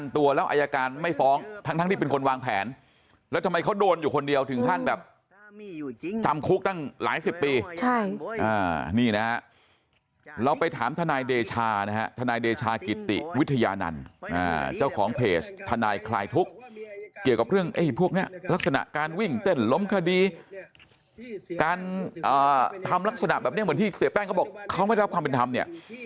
ทำลักษณะแบบนี้เหมือนที่เสียแป้งก็บอกเขาไม่รับความเป็นธรรมเนี่ย